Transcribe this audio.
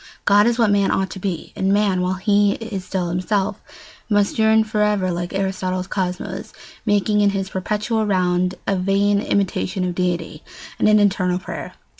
God is what man ought to be; and man, while he is still himself, must yearn for ever, like Aristotle's cosmos, making in his perpetual round a vain imitation of deity, and an eternal prayer.